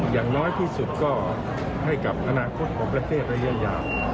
อย่างน้อยที่สุดก็ให้กับอนาคตของประเทศระยะยาว